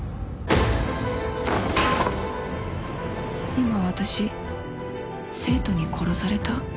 今私生徒に殺された？